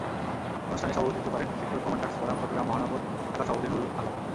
অনুষ্ঠানে সভাপতিত্ব করেন সেক্টর কমান্ডারস ফোরাম চট্টগ্রাম মহানগর শাখার সভাপতি নুরুল আলম।